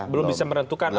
belum bisa menentukan